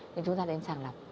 nên chúng ta nên sàng lập